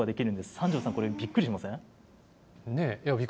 三條さん、これ、びっくりしません？